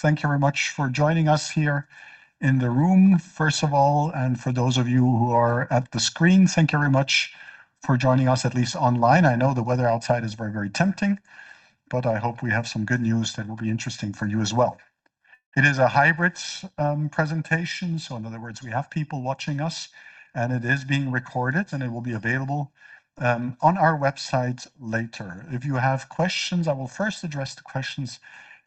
Thank you very much for joining us here in the room, first of all. For those of you who are at the screen, thank you very much for joining us at least online. I know the weather outside is very, very tempting, but I hope we have some good news that will be interesting for you as well. It is a hybrid presentation, so in other words, we have people watching us, and it is being recorded, and it will be available on our website later. If you have questions, I will first address the questions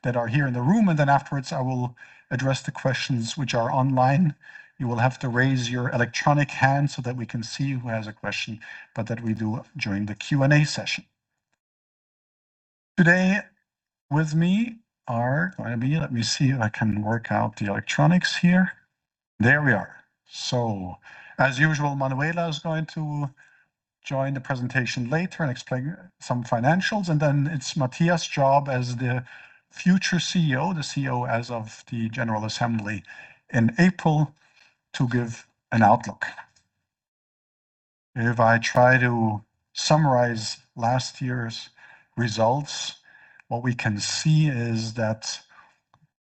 that are here in the room, and then afterwards I will address the questions which are online. You will have to raise your electronic hand so that we can see who has a question, but that we do during the Q&A session. Today, with me are going to be Let me see if I can work out the electronics here. There we are. As usual, Manuela Suter is going to join the presentation later and explain some financials. It's Matthias job as the future CEO, the CEO as of the general assembly in April, to give an outlook. If I try to summarize last year's results, what we can see is that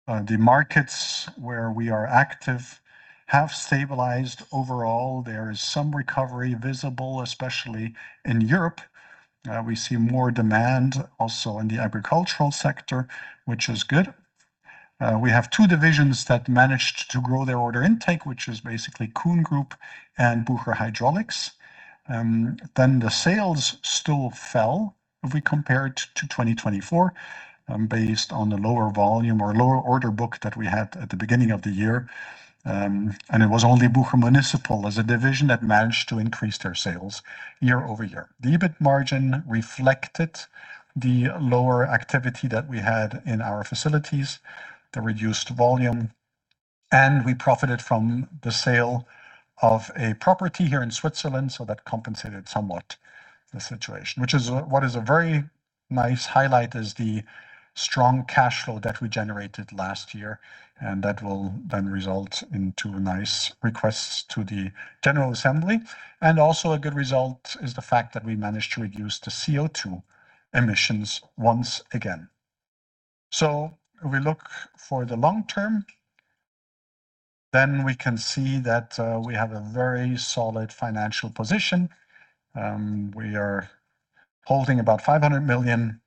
the markets where we are active have stabilized overall. There is some recovery visible, especially in Europe. We see more demand also in the agricultural sector, which is good. We have two divisions that managed to grow their order intake, which is basically Kuhn Group and Bucher Hydraulics. The sales still fell if we compare it to 2024, based on the lower volume or lower order book that we had at the beginning of the year. It was only Bucher Municipal as a division that managed to increase their sales year-over-year. The EBIT margin reflected the lower activity that we had in our facilities, the reduced volume, and we profited from the sale of a property here in Switzerland, so that compensated somewhat the situation, which is what is a very nice highlight, is the strong cash flow that we generated last year, and that will then result into nice requests to the general assembly. Also a good result is the fact that we managed to reduce the CO2 emissions once again. If we look for the long term, then we can see that we have a very solid financial position. We are holding about 500 million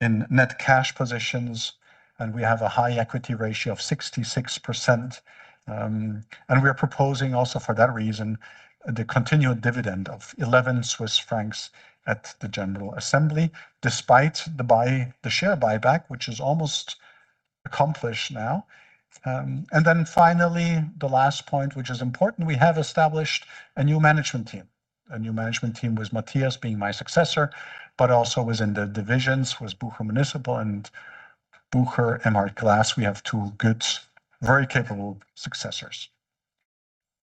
in net cash positions, and we have a high equity ratio of 66%. We are proposing also for that reason the continued dividend of 11 Swiss francs at the general assembly despite the share buyback, which is almost accomplished now. Finally, the last point, which is important, we have established a new management team. A new management team with Matthias being my successor, but also was in the divisions, Bucher Municipal and Bucher Emhart Glass. We have two good, very capable successors.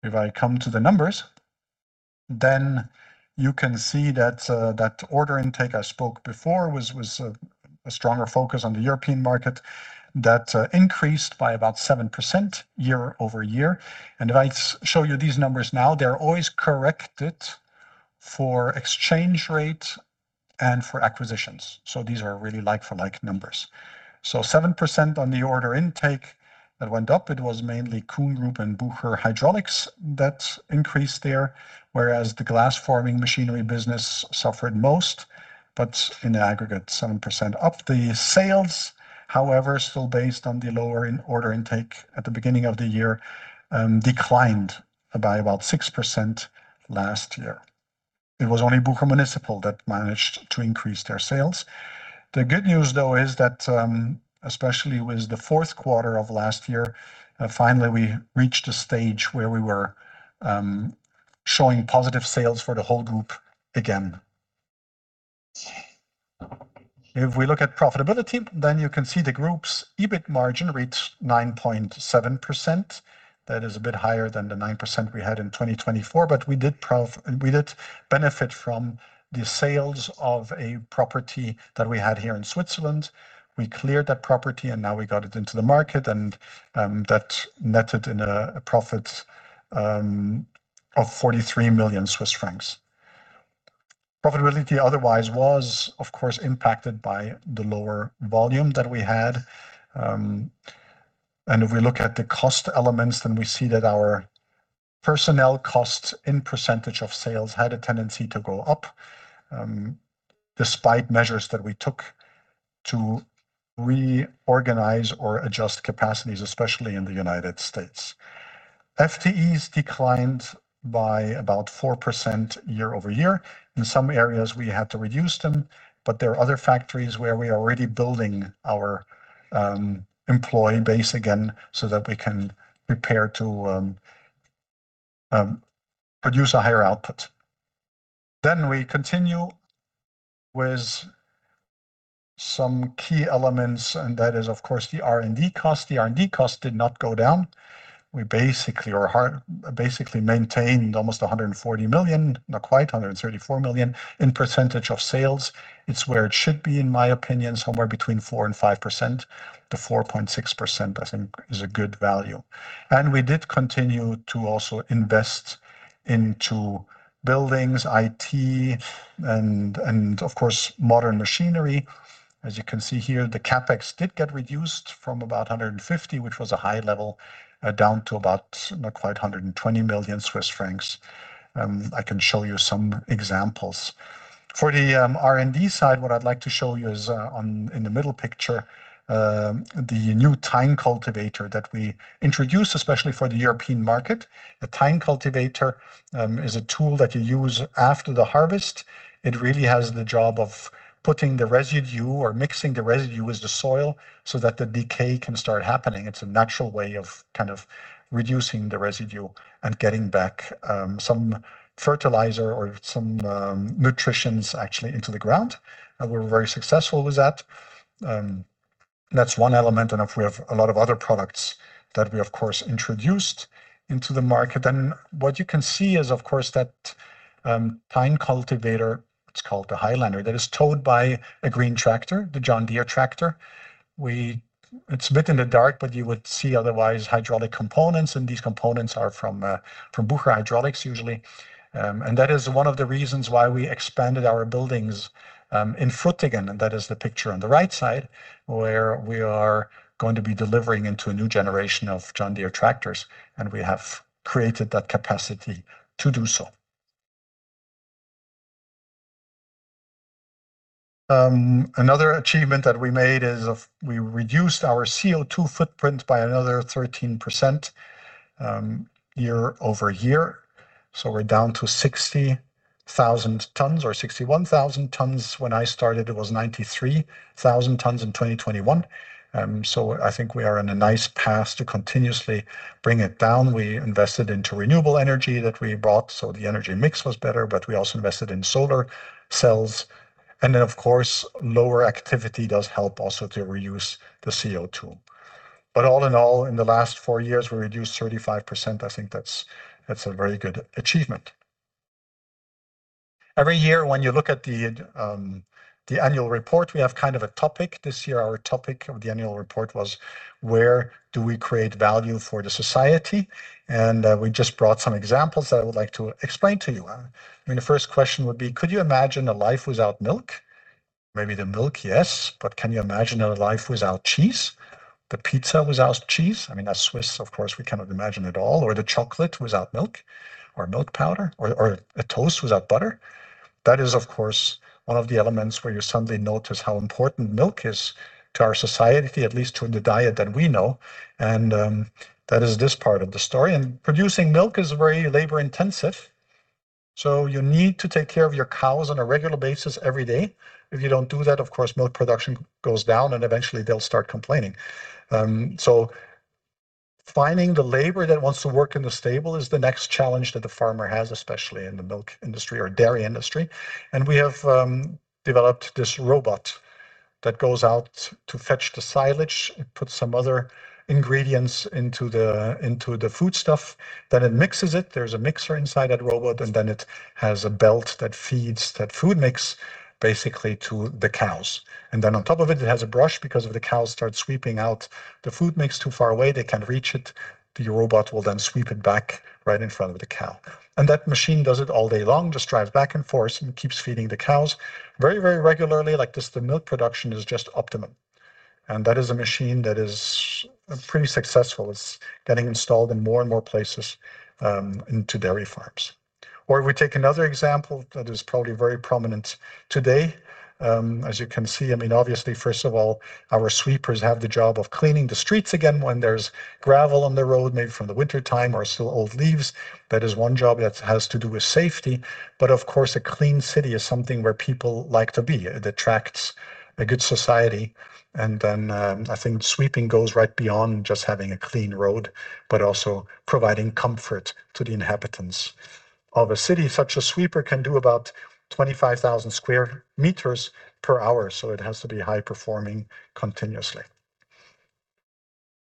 If I come to the numbers, you can see that order intake I spoke before was a stronger focus on the European market that increased by about 7% year-over-year. If I show you these numbers now, they're always corrected for exchange rate and for acquisitions. These are really like-for-like numbers. 7% on the order intake that went up, it was mainly Kuhn Group and Bucher Hydraulics that increased there, whereas the glass forming machinery business suffered most, but in the aggregate, 7% up. The sales, however, still based on the lower in order intake at the beginning of the year, declined by about 6% last year. It was only Bucher Municipal that managed to increase their sales. The good news, though, is that, especially with the fourth quarter of last year, finally, we reached a stage where we were showing positive sales for the whole group again. If we look at profitability, you can see the group's EBIT margin reached 9.7%. That is a bit higher than the 9% we had in 2024, but we did benefit from the sales of a property that we had here in Switzerland. We cleared that property, and now we got it into the market and that netted in a profit of 43 million Swiss francs. Profitability otherwise was, of course, impacted by the lower volume that we had. If we look at the cost elements, then we see that our personnel costs in percentage of sales had a tendency to go up despite measures that we took to reorganize or adjust capacities, especially in the U.S. FTEs declined by about 4% year-over-year. In some areas, we had to reduce them. There are other factories where we are already building our employee base again so that we can prepare to produce a higher output. We continue with some key elements. That is, of course, the R&D cost. The R&D cost did not go down. We basically maintained almost 140 million, not quite, 134 million in percentage of sales. It's where it should be, in my opinion, somewhere between 4% and 5%. The 4.6% I think is a good value. We did continue to also invest into buildings, IT and of course, modern machinery. As you can see here, the CapEx did get reduced from about 150, which was a high level, down to about not quite 120 million Swiss francs. I can show you some examples. For the R&D side, what I'd like to show you is in the middle picture, the new tine cultivator that we introduced, especially for the European market. The tine cultivator is a tool that you use after the harvest. It really has the job of putting the residue or mixing the residue with the soil so that the decay can start happening. It's a natural way of kind of reducing the residue and getting back, some fertilizer or some, nutritions actually into the ground, and we're very successful with that. That's one element, and we have a lot of other products that we, of course, introduced into the market. What you can see is, of course, that, tine cultivator, it's called the Highlander, that is towed by a green tractor, the John Deere tractor. It's a bit in the dark, but you would see otherwise hydraulic components, and these components are from Bucher Hydraulics usually. That is one of the reasons why we expanded our buildings, in Frutigen, and that is the picture on the right side, where we are going to be delivering into a new generation of John Deere tractors, and we have created that capacity to do so. Another achievement that we made, we reduced our CO2 footprint by another 13% year-over-year. We're down to 60,000 tons or 61,000 tons. When I started, it was 93,000 tons in 2021. I think we are on a nice path to continuously bring it down. We invested into renewable energy that we bought, so the energy mix was better, but we also invested in solar cells. Of course, lower activity does help also to reduce the CO2. In the last four years, we reduced 35%. That's a very good achievement. Every year when you look at the annual report, we have kind of a topic. This year, our topic of the annual report was, where do we create value for the society? We just brought some examples that I would like to explain to you. I mean, the first question would be, could you imagine a life without milk? Maybe the milk, yes. Can you imagine a life without cheese? The pizza without cheese? I mean, as Swiss, of course, we cannot imagine at all. The chocolate without milk or milk powder or a toast without butter. That is, of course, one of the elements where you suddenly notice how important milk is to our society, at least to the diet that we know, and that is this part of the story. Producing milk is very labor-intensive, so you need to take care of your cows on a regular basis every day. If you don't do that, of course, milk production goes down, and eventually they'll start complaining. Finding the labor that wants to work in the stable is the next challenge that the farmer has, especially in the milk industry or dairy industry. We have developed this robot that goes out to fetch the silage. It puts some other ingredients into the foodstuff. It mixes it. There's a mixer inside that robot, and it has a belt that feeds that food mix basically to the cows. On top of it has a brush because if the cows start sweeping out the food mix too far away, they can't reach it, the robot will then sweep it back right in front of the cow. That machine does it all day long, just drives back and forth and keeps feeding the cows very, very regularly. Like this, the milk production is just optimum. That is a machine that is pretty successful. It's getting installed in more and more places, into dairy farms. If we take another example that is probably very prominent today, as you can see, I mean, obviously, first of all, our sweepers have the job of cleaning the streets again, when there's gravel on the road, maybe from the wintertime or still old leaves. That is one job that has to do with safety. Of course, a clean city is something where people like to be. It attracts a good society. Then, I think sweeping goes right beyond just having a clean road, but also providing comfort to the inhabitants of a city. Such a sweeper can do about 25,000 square meters per hour, so it has to be high-performing continuously.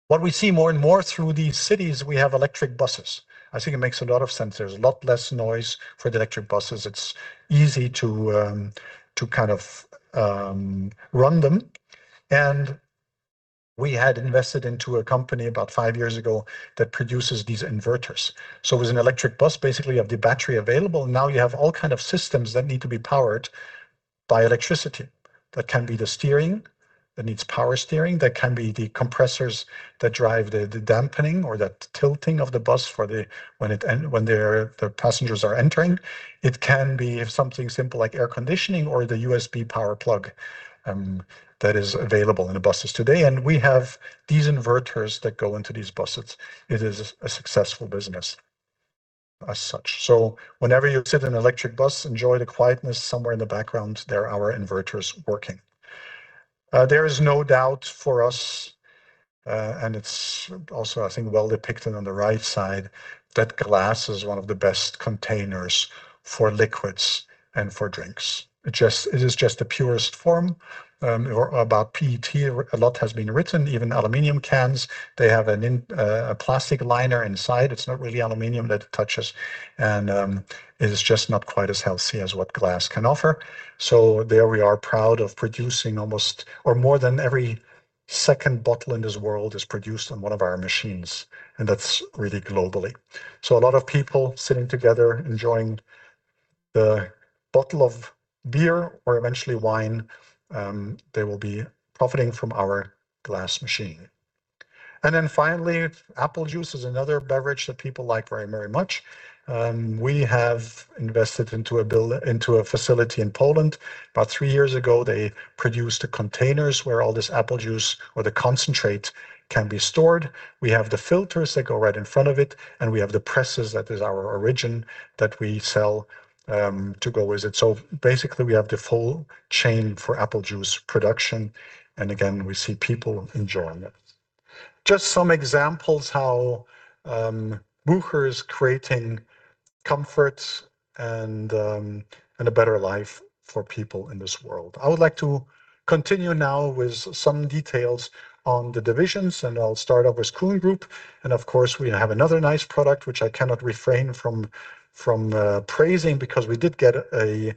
What we see more and more through these cities, we have electric buses. I think it makes a lot of sense. There's a lot less noise for the electric buses. It's easy to kind of run them. We had invested into a company about five years ago that produces these inverters. It was an electric bus, basically you have the battery available. You have all kind of systems that need to be powered by electricity. That can be the steering that needs power steering. That can be the compressors that drive the dampening or the tilting of the bus for when the passengers are entering. It can be something simple like air conditioning or the USB power plug that is available in the buses today. We have these inverters that go into these buses. It is a successful business as such. Whenever you sit in an electric bus, enjoy the quietness. Somewhere in the background, there are our inverters working. There is no doubt for us, and it's also, I think, well depicted on the right side, that glass is one of the best containers for liquids and for drinks. It is just the purest form. Or about PET, a lot has been written. Even aluminum cans, they have a plastic liner inside. It's not really aluminum that it touches. It is just not quite as healthy as what glass can offer. There we are proud of producing almost or more than every second bottle in this world is produced on one of our machines, and that's really globally. A lot of people sitting together enjoying the bottle of beer or eventually wine. They will be profiting from our glass machine. Finally, apple juice is another beverage that people like very, very much. We have invested into a facility in Poland. About three years ago, they produced the containers where all this apple juice or the concentrate can be stored. We have the filters that go right in front of it, and we have the presses that is our origin that we sell to go with it. Basically, we have the full chain for apple juice production, and again, we see people enjoying it. Just some examples how Bucher is creating comfort and a better life for people in this world. I would like to continue now with some details on the divisions. I'll start off with Kuhn Group. Of course, we have another nice product which I cannot refrain from praising because we did get a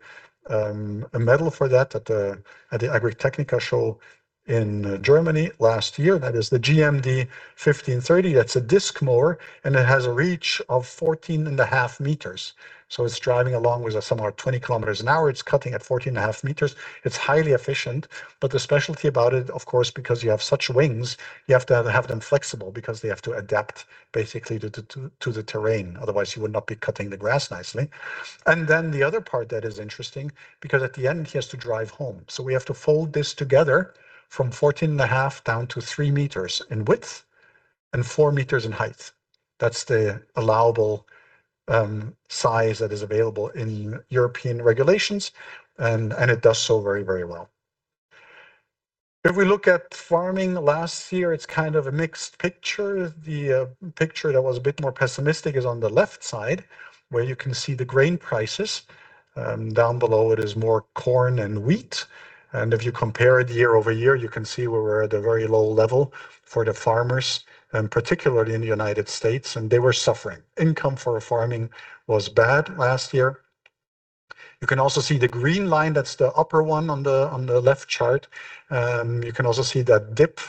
medal for that at the Agritechnica Show in Germany last year. That is the GMD 15030. That's a disc mower. It has a reach of 14 and a half meters. It's driving along with some are 20 km/h. It's cutting at 14 and a half meters. It's highly efficient. The specialty about it, of course, because you have such wings, you have to have them flexible because they have to adapt basically to the terrain. Otherwise, you would not be cutting the grass nicely. The other part that is interesting, because at the end, he has to drive home. We have to fold this together from 14.5 down to three meters in width and four meters in height. That's the allowable size that is available in European regulations, and it does so very, very well. If we look at farming last year, it's kind of a mixed picture. The picture that was a bit more pessimistic is on the left side, where you can see the grain prices. Down below it is more corn and wheat. If you compare it year-over-year, you can see where we're at a very low level for the farmers, and particularly in the United States, and they were suffering. Income for farming was bad last year. You can also see the green line. That's the upper one on the, on the left chart. You can also see that dip,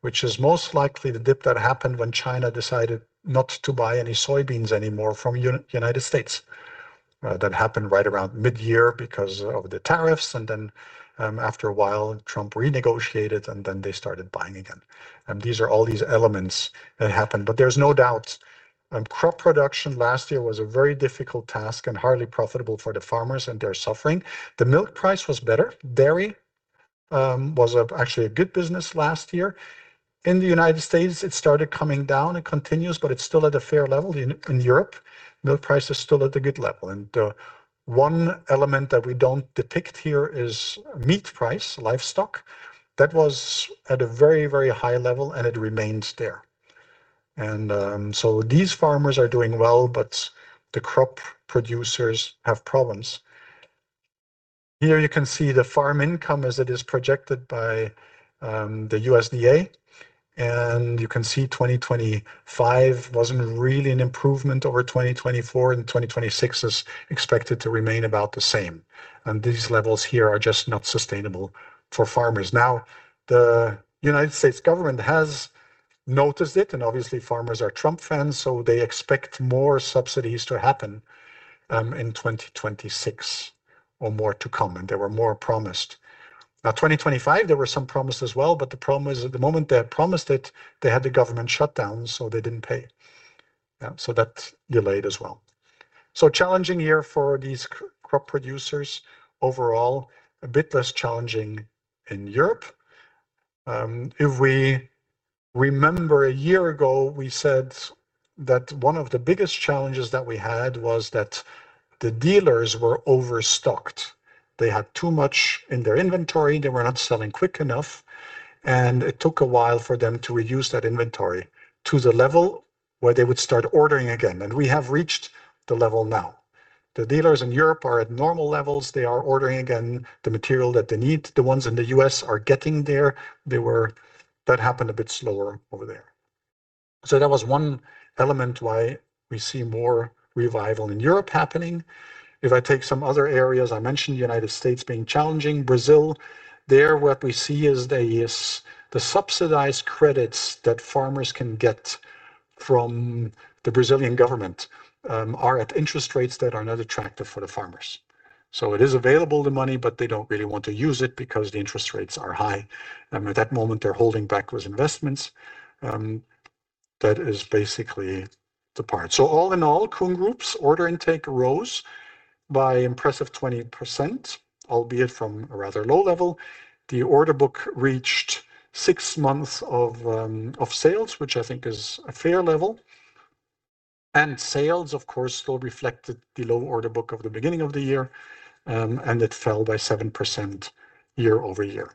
which is most likely the dip that happened when China decided not to buy any soybeans anymore from U.S. That happened right around mid year because of the tariffs. After a while, Trump renegotiated, and then they started buying again. These are all these elements that happened. There's no doubt, crop production last year was a very difficult task and hardly profitable for the farmers, and they're suffering. The milk price was better. Dairy was actually a good business last year. In the U.S., it started coming down. It continues, but it's still at a fair level. In Europe, milk price is still at a good level. One element that we don't depict here is meat price, livestock. That was at a very, very high level, and it remains there. So these farmers are doing well, but the crop producers have problems. Here you can see the farm income as it is projected by the USDA. You can see 2025 wasn't really an improvement over 2024, and 2026 is expected to remain about the same. These levels here are just not sustainable for farmers. The United States government has noticed it, and obviously, farmers are Trump fans, so they expect more subsidies to happen in 2026 or more to come, and they were more promised. 2025, there were some promised as well, but the problem is at the moment they had promised it, they had the government shutdown, so they didn't pay. So that delayed as well. Challenging year for these crop producers overall, a bit less challenging in Europe. If we remember a year ago, we said that one of the biggest challenges that we had was that the dealers were overstocked. They had too much in their inventory. They were not selling quick enough, and it took a while for them to reduce that inventory to the level where they would start ordering again. We have reached the level now. The dealers in Europe are at normal levels. They are ordering again the material that they need. The ones in the U.S. are getting there. That happened a bit slower over there. That was one element why we see more revival in Europe happening. If I take some other areas, I mentioned U.S. being challenging. Brazil, there what we see is the subsidized credits that farmers can get from the Brazilian government are at interest rates that are not attractive for the farmers. It is available, the money, but they don't really want to use it because the interest rates are high. At that moment, they're holding back with investments, that is basically the part. All in all, Kuhn Group's order intake rose by impressive 20%, albeit from a rather low level. The order book reached six months of sales, which I think is a fair level. Sales, of course, still reflected the low order book of the beginning of the year, and it fell by 7% year-over-year.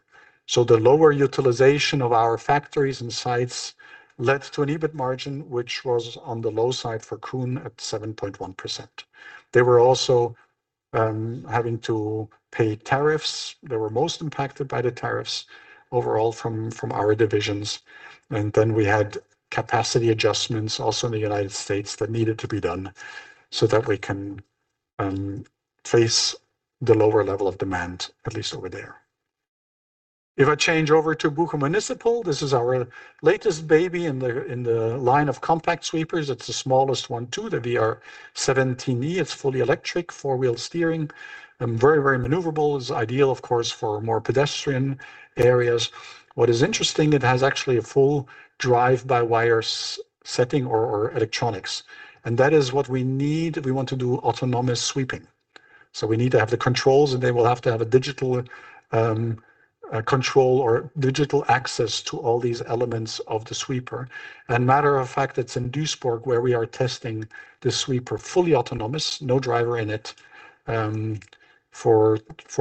The lower utilization of our factories and sites led to an EBIT margin, which was on the low side for Kuhn at 7.1%. They were also having to pay tariffs. They were most impacted by the tariffs overall from our divisions. Then we had capacity adjustments also in the U.S. that needed to be done so that we can face the lower level of demand, at least over there. If I change over to Bucher Municipal, this is our latest baby in the, in the line of compact sweepers. It's the smallest one too, the VR17e. It's fully electric, four-wheel steering, very, very maneuverable. It's ideal, of course, for more pedestrian areas. What is interesting, it has actually a full drive-by-wire setting or electronics. That is what we need. We want to do autonomous sweeping, so we need to have the controls, and they will have to have a digital control or digital access to all these elements of the sweeper. Matter of fact, it's in Duisburg, where we are testing the sweeper, fully autonomous, no driver in it, for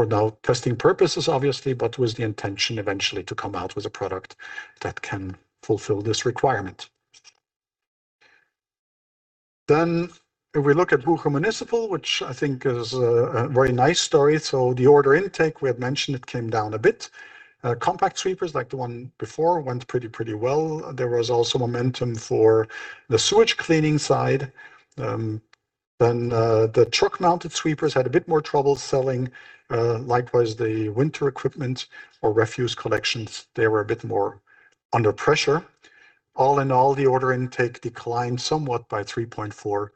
now, testing purposes, obviously, but with the intention eventually to come out with a product that can fulfill this requirement. If we look at Bucher Municipal, which I think is a very nice story. The order intake, we had mentioned it came down a bit. Compact sweepers like the one before went pretty well. There was also momentum for the sewage cleaning side. Then, the truck-mounted sweepers had a bit more trouble selling. Likewise, the winter equipment or refuse collections, they were a bit more under pressure. All in all, the order intake declined somewhat by 3.4%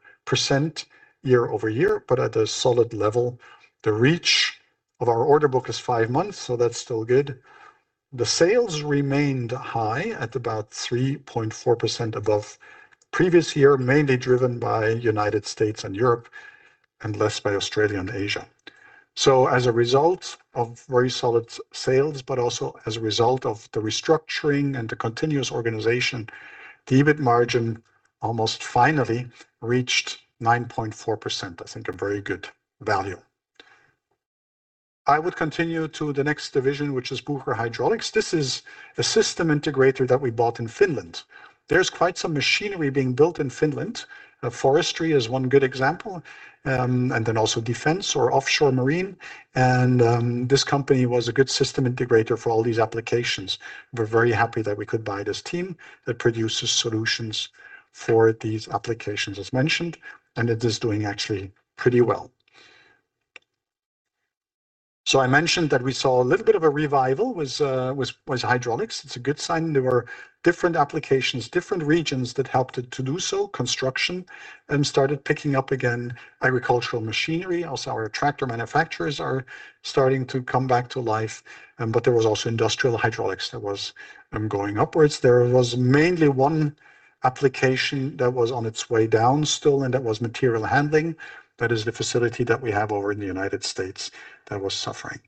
year-over-year, but at a solid level. The reach of our order book is five months, so that's still good. The sales remained high at about 3.4% above previous year, mainly driven by U.S. and Europe and less by Australia and Asia. As a result of very solid sales, but also as a result of the restructuring and the continuous organization, the EBIT margin almost finally reached 9.4%. I think a very good value. I would continue to the next division, which is Bucher Hydraulics. This is a system integrator that we bought in Finland. There's quite some machinery being built in Finland. Forestry is one good example. Then also defense or offshore marine, and this company was a good system integrator for all these applications. We're very happy that we could buy this team that produces solutions for these applications as mentioned, and it is doing actually pretty well. I mentioned that we saw a little bit of a revival with hydraulics. It's a good sign. There were different applications, different regions that helped it to do so. Construction started picking up again. Agricultural machinery, also our tractor manufacturers are starting to come back to life, but there was also industrial hydraulics that was going upwards. There was mainly one application that was on its way down still, and that was material handling. That is the facility that we have over in the United States that was suffering.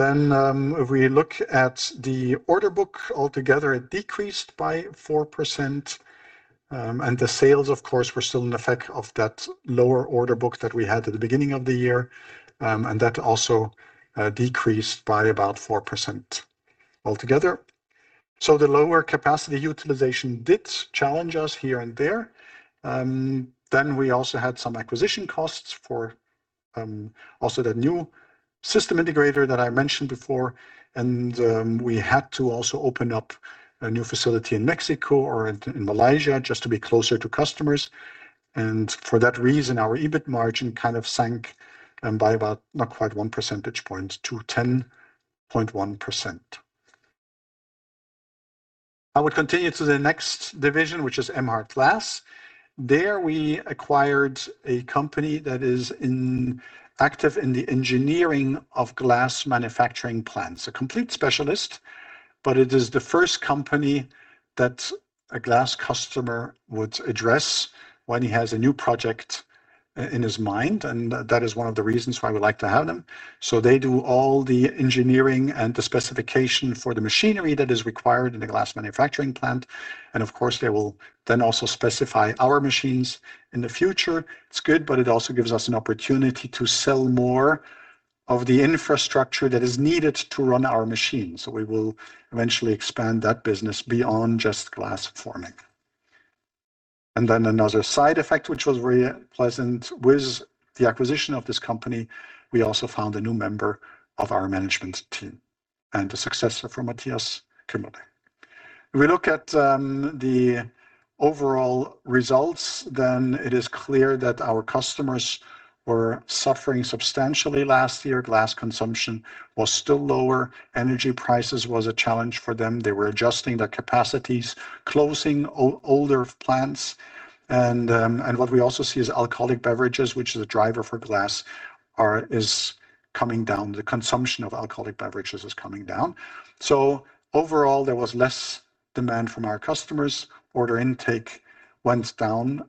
If we look at the order book, altogether it decreased by 4%, and the sales, of course, were still an effect of that lower order book that we had at the beginning of the year, and that also decreased by about 4% altogether. The lower capacity utilization did challenge us here and there. Then we also had some acquisition costs for also the new system integrator that I mentioned before, and we had to also open up a new facility in Mexico or in Malaysia just to be closer to customers. For that reason, our EBIT margin kind of sank by about not quite 1 percentage point to 10.1%. I would continue to the next division, which is Emhart Glass. There we acquired a company that is active in the engineering of glass manufacturing plants. A complete specialist, but it is the first company that a glass customer would address when he has a new project in his mind, and that is one of the reasons why we like to have them. They do all the engineering and the specification for the machinery that is required in a glass manufacturing plant, and of course, they will then also specify our machines in the future. It's good, but it also gives us an opportunity to sell more of the infrastructure that is needed to run our machines. We will eventually expand that business beyond just glass forming. Another side effect which was very pleasant, with the acquisition of this company, we also found a new member of our management team and a successor for Matthias Kuemmerle. If we look at, the overall results, it is clear that our customers were suffering substantially last year. Glass consumption was still lower. Energy prices was a challenge for them. They were adjusting their capacities, closing older plants, and what we also see is alcoholic beverages, which is a driver for glass, is coming down. The consumption of alcoholic beverages is coming down. Overall, there was less demand from our customers. Order intake went down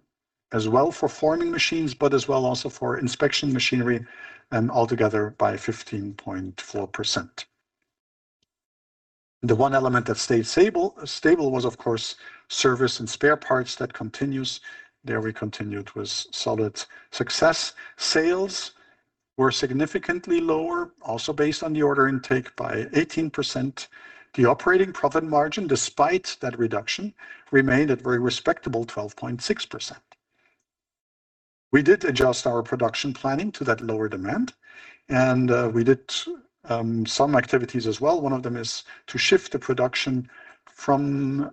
as well for forming machines, but as well also for inspection machinery, altogether by 15.4%. The one element that stayed stable was of course service and spare parts that continues. There we continued with solid success. Sales were significantly lower, also based on the order intake by 18%. The operating profit margin, despite that reduction, remained at very respectable 12.6%. We did adjust our production planning to that lower demand, we did some activities as well. One of them is to shift the production from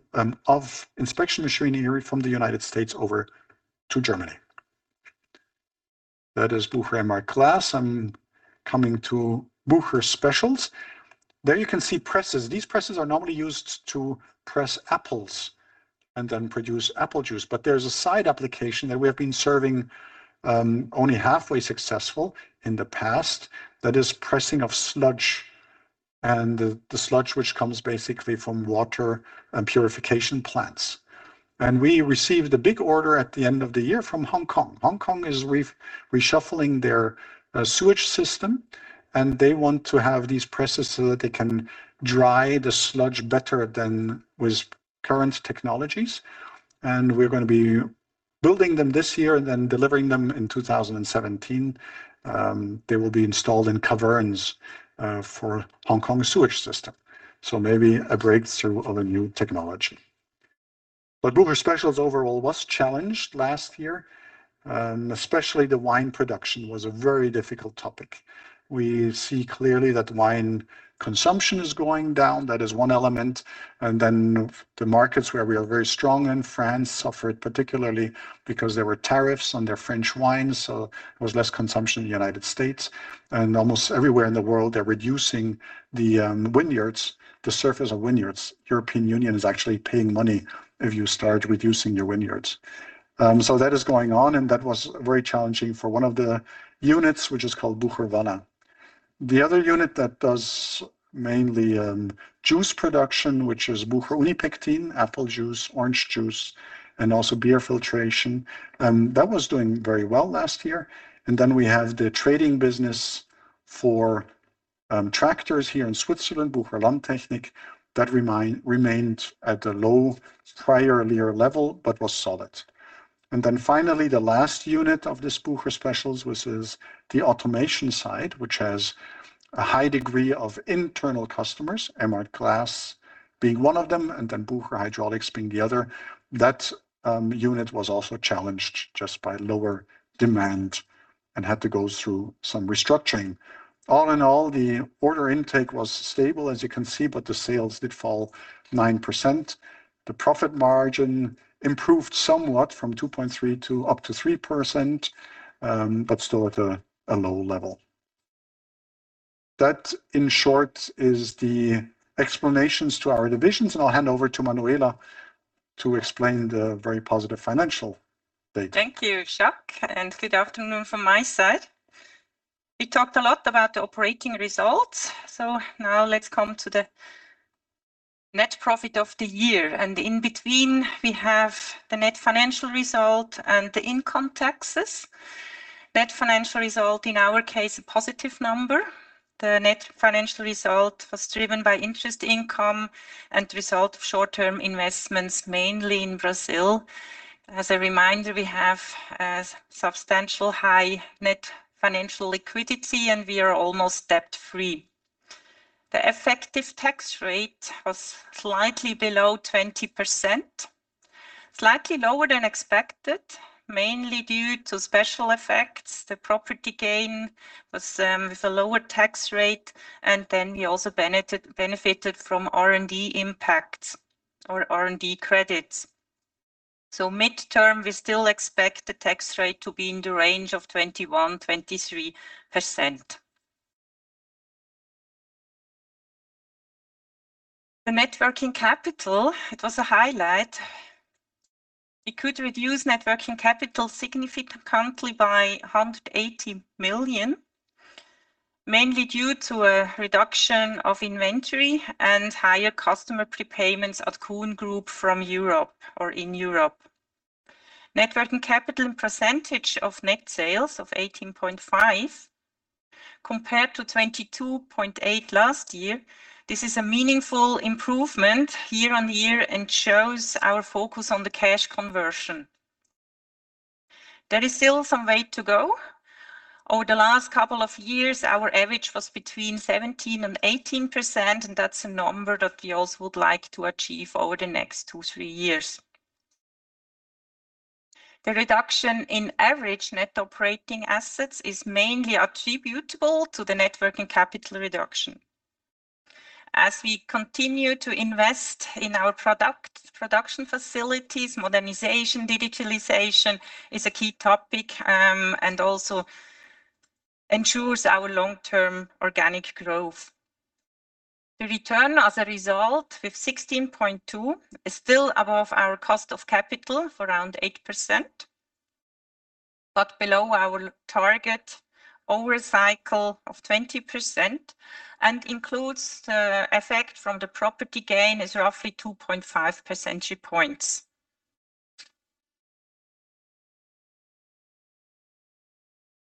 inspection machinery from the United States over to Germany. That is Bucher Emhart Glass. I'm coming to Bucher Specials. There you can see presses. These presses are normally used to press apples and then produce apple juice, but there's a side application that we have been serving only halfway successful in the past. That is pressing of sludge and the sludge which comes basically from water and purification plants. We received a big order at the end of the year from Hong Kong. Hong Kong is reshuffling their sewage system, and they want to have these presses so that they can dry the sludge better than with current technologies. We're gonna be building them this year and then delivering them in 2017. They will be installed in caverns for Hong Kong sewage system. Maybe a breakthrough of a new technology. Bucher Specials overall was challenged last year, and especially the wine production was a very difficult topic. We see clearly that wine consumption is going down. That is one element. The markets where we are very strong in France suffered particularly because there were tariffs on their French wines, so there was less consumption in the U.S. Almost everywhere in the world they're reducing the vineyards, the surface of vineyards. European Union is actually paying money if you start reducing your vineyards. That is going on, and that was very challenging for one of the units, which is called Bucher Vaslin. The other unit that does mainly juice production, which is Bucher Unipektin, apple juice, orange juice, and also beer filtration, that was doing very well last year. We have the trading business for tractors here in Switzerland, Bucher Landtechnik, that remained at a low prior earlier level, but was solid. Finally, the last unit of this Bucher Specials, which is the automation side, which has a high degree of internal customers, Emhart Glass being one of them, and then Bucher Hydraulics being the other. That unit was also challenged just by lower demand and had to go through some restructuring. All in all, the order intake was stable, as you can see, but the sales did fall 9%. The profit margin improved somewhat from 2.3% to up to 3%, but still at a low level. That, in short, is the explanations to our divisions, and I'll hand over to Manuela to explain the very positive financial data. Thank you, Jacques. Good afternoon from my side. We talked a lot about the operating results. Now let's come to the net profit of the year. In between, we have the net financial result and the income taxes. Net financial result, in our case, a positive number. The net financial result was driven by interest income and result of short-term investments, mainly in Brazil. As a reminder, we have a substantial high net financial liquidity, and we are almost debt-free. The effective tax rate was slightly below 20%, slightly lower than expected, mainly due to special effects. The property gain was with a lower tax rate, and then we also benefited from R&D impact or R&D credits. Midterm, we still expect the tax rate to be in the range of 21%-23%. The net working capital, it was a highlight. We could reduce net working capital significantly by 180 million, mainly due to a reduction of inventory and higher customer prepayments at Kuhn Group from Europe or in Europe. Net working capital and percentage of net sales of 18.5% compared to 22.8% last year, this is a meaningful improvement year-over-year and shows our focus on the cash conversion. There is still some way to go. Over the last couple of years, our average was between 17% and 18%, and that's a number that we also would like to achieve over the next two, three years. The reduction in average net operating assets is mainly attributable to the net working capital reduction. As we continue to invest in our product, production facilities, modernization, digitalization is a key topic, and also ensures our long-term organic growth. The return as a result with 16.2% is still above our cost of capital for around 8%, below our target over a cycle of 20% and includes the effect from the property gain is roughly 2.5% points.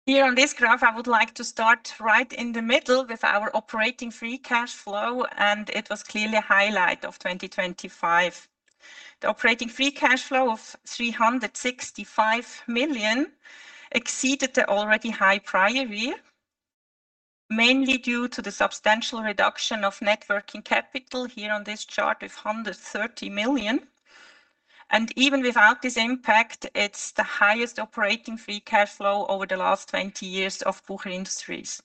Here on this graph, I would like to start right in the middle with our operating free cash flow. It was clearly a highlight of 2025. The operating free cash flow of 365 million exceeded the already high prior year, mainly due to the substantial reduction of net working capital here on this chart with 130 million. Even without this impact, it's the highest operating free cash flow over the last 20 years of Bucher Industries.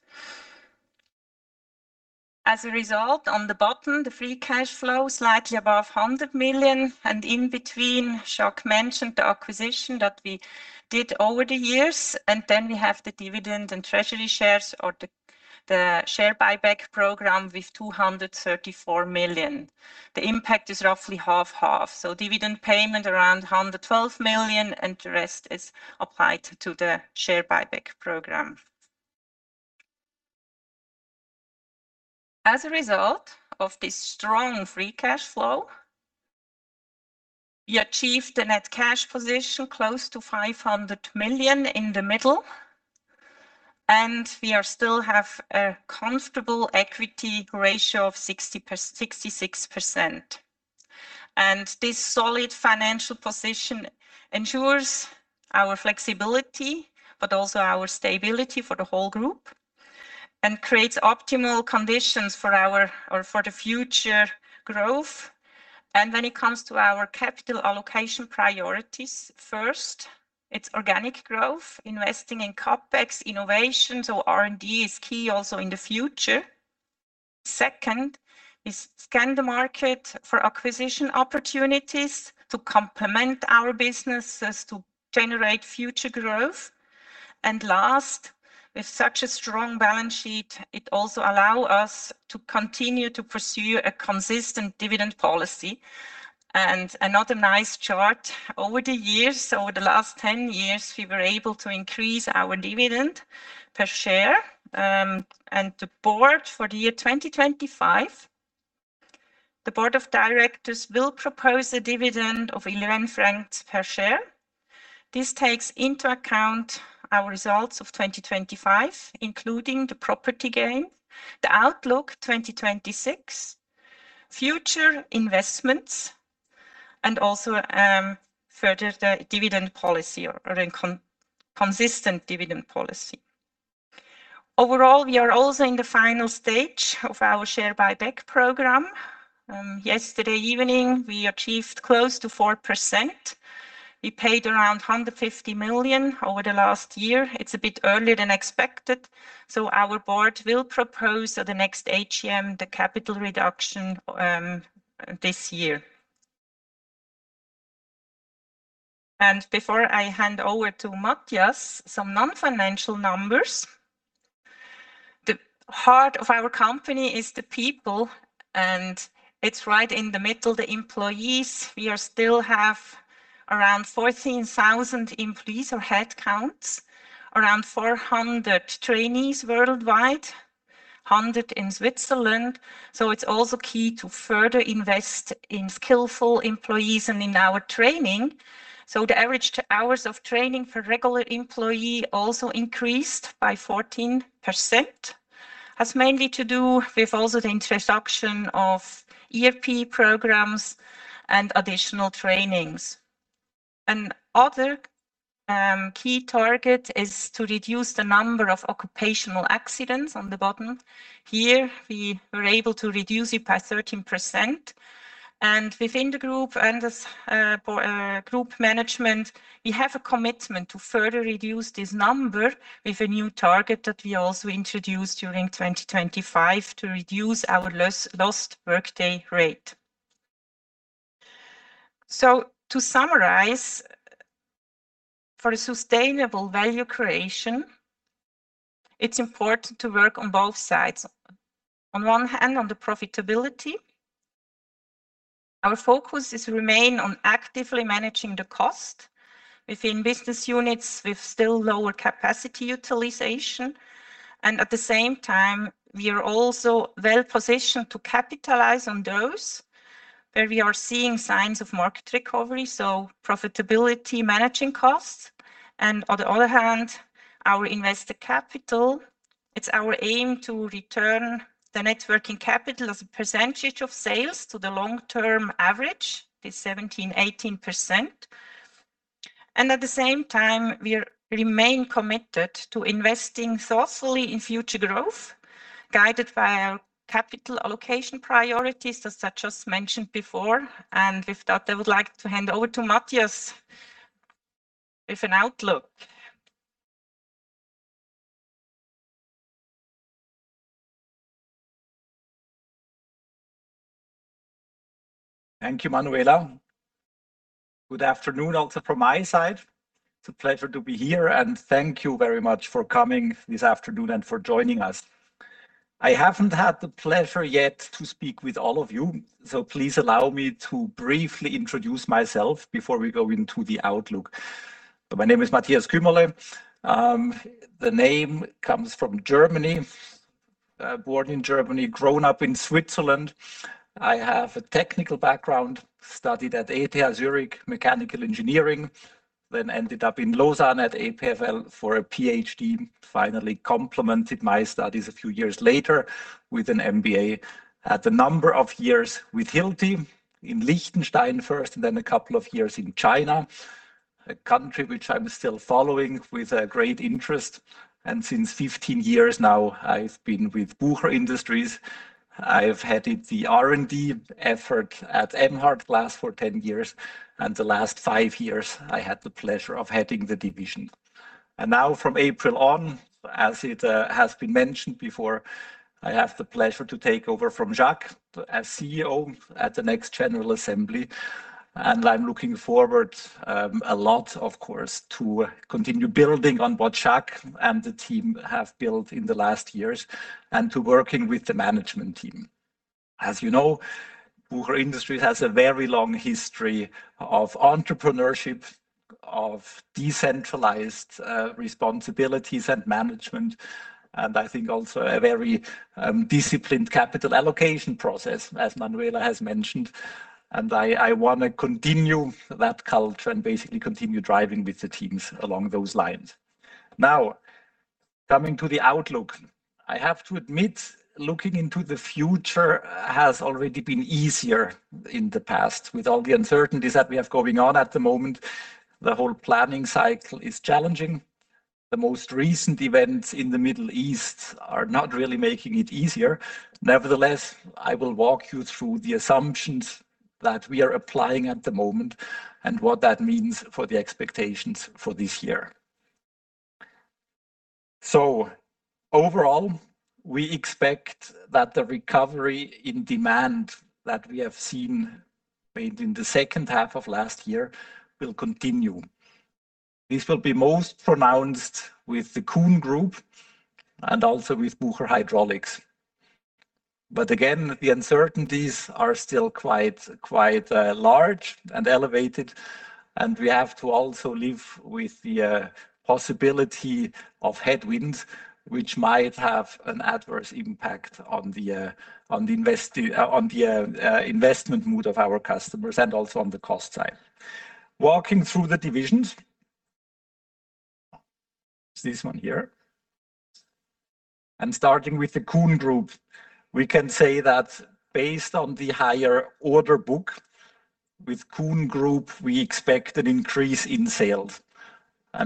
As a result, on the bottom, the free cash flow slightly above 100 million. In between, Jacques mentioned the acquisition that we did over the years. Then we have the dividend and treasury shares or the share buyback program with 234 million. The impact is roughly half/half. So dividend payment around 112 million, and the rest is applied to the share buyback program. As a result of this strong free cash flow, we achieved a net cash position close to 500 million in the middle, and we are still have a comfortable equity ratio of 66%. This solid financial position ensures our flexibility, but also our stability for the whole group and creates optimal conditions or for the future growth. When it comes to our capital allocation priorities, first, it's organic growth, investing in CapEx, innovation, so R&D is key also in the future. Second, scan the market for acquisition opportunities to complement our businesses to generate future growth. Last, with such a strong balance sheet, it also allow us to continue to pursue a consistent dividend policy. Another nice chart, over the years, over the last 10 years, we were able to increase our dividend per share. The board for the year 2025, the board of directors will propose a dividend of 11 francs per share. This takes into account our results of 2025, including the property gain, the outlook 2026, future investments, and also, further the dividend policy or consistent dividend policy. Overall, we are also in the final stage of our share buyback program. Yesterday evening, we achieved close to 4%. We paid around 150 million over the last year. It's a bit earlier than expected, so our board will propose at the next AGM the capital reduction this year. Before I hand over to Matthias, some non-financial numbers. The heart of our company is the people, and it's right in the middle, the employees. We are still have around 14,000 employees or headcounts, around 400 trainees worldwide, 100 in Switzerland. It's also key to further invest in skillful employees and in our training. The average hours of training for regular employee also increased by 14%. Has mainly to do with also the introduction of ERP programs and additional trainings. Another key target is to reduce the number of occupational accidents on the bottom. Here, we were able to reduce it by 13%. Within the group and as for group management, we have a commitment to further reduce this number with a new target that we also introduced during 2025 to reduce our lost workday rate. To summarize, for a sustainable value creation, it's important to work on both sides. On one hand, on the profitability, our focus is remain on actively managing the cost within business units with still lower capacity utilization. At the same time, we are also well-positioned to capitalize on those where we are seeing signs of market recovery, so profitability, managing costs. On the other hand, our invested capital, it's our aim to return the net working capital as a percentage of sales to the long-term average, the 17%, 18%. At the same time, we remain committed to investing thoughtfully in future growth, guided by our capital allocation priorities, as I just mentioned before. With that, I would like to hand over to Matthias with an outlook. Thank you, Manuela. Good afternoon also from my side. It's a pleasure to be here. Thank you very much for coming this afternoon and for joining us. I haven't had the pleasure yet to speak with all of you. Please allow me to briefly introduce myself before we go into the outlook. My name is Matthias Kuemmerle. The name comes from Germany. Born in Germany, grown up in Switzerland. I have a technical background, studied at ETH Zurich, mechanical engineering, then ended up in Lausanne at EPFL for a PhD, finally complemented my studies a few years later with an MBA. Had a number of years with Hilti in Liechtenstein first and then a couple of years in China. A country which I'm still following with great interest. Since 15 years now, I've been with Bucher Industries. I've headed the R&D effort at Emhart Glass for 10 years, and the last five years, I had the pleasure of heading the division. Now from April on, as it has been mentioned before, I have the pleasure to take over from Jacques as CEO at the next general assembly. I'm looking forward, a lot, of course, to continue building on what Jacques and the team have built in the last years and to working with the management team. As you know, Bucher Industries has a very long history of entrepreneurship, of decentralized responsibilities and management, and I think also a very disciplined capital allocation process, as Manuela has mentioned. I wanna continue that culture and basically continue driving with the teams along those lines. Coming to the outlook. I have to admit, looking into the future has already been easier in the past. With all the uncertainties that we have going on at the moment, the whole planning cycle is challenging. The most recent events in the Middle East are not really making it easier. Nevertheless, I will walk you through the assumptions that we are applying at the moment and what that means for the expectations for this year. Overall, we expect that the recovery in demand that we have seen made in the second half of last year will continue. This will be most pronounced with the Kuhn Group and also with Bucher Hydraulics. Again, the uncertainties are still quite large and elevated, and we have to also live with the possibility of headwinds, which might have an adverse impact on the investment mood of our customers and also on the cost side. Walking through the divisions. It's this one here. Starting with the Kuhn Group, we can say that based on the higher order book with Kuhn Group, we expect an increase in sales.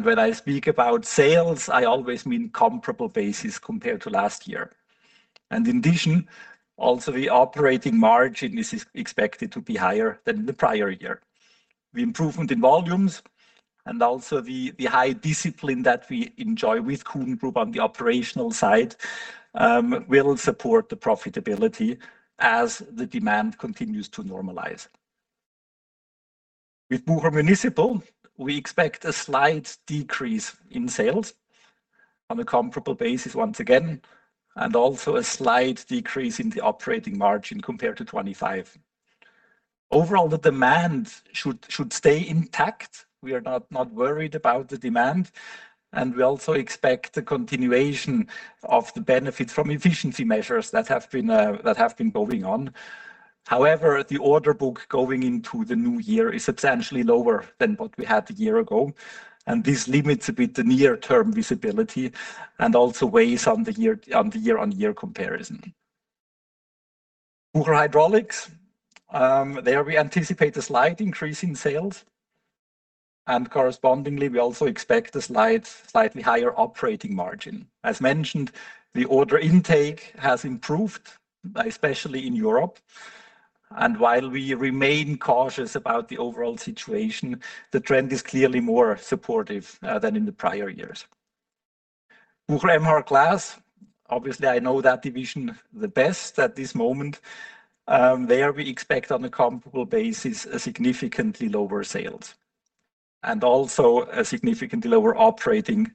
When I speak about sales, I always mean comparable basis compared to last year. In addition, also the operating margin is expected to be higher than the prior year. The improvement in volumes and also the high discipline that we enjoy with Kuhn Group on the operational side, will support the profitability as the demand continues to normalize. With Bucher Municipal, we expect a slight decrease in sales on a comparable basis once again. Also a slight decrease in the operating margin compared to 2025. Overall, the demand should stay intact. We are not worried about the demand, and we also expect the continuation of the benefit from efficiency measures that have been going on. The order book going into the new year is substantially lower than what we had a year ago, and this limits a bit the near-term visibility and also weighs on the year-on-year comparison. Bucher Hydraulics, there we anticipate a slight increase in sales. Correspondingly we also expect a slightly higher operating margin. As mentioned, the order intake has improved, especially in Europe. While we remain cautious about the overall situation, the trend is clearly more supportive than in the prior years. Bucher Emhart Glass, obviously I know that division the best at this moment. There we expect on a comparable basis a significantly lower sales and also a significantly lower operating